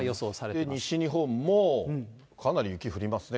西日本も、かなり雪降りますね。